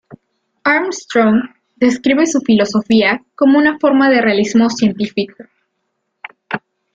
Armstrong describe su filosofía como una forma de realismo científico.